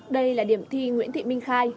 đây là điểm thi nguyễn thị minh khai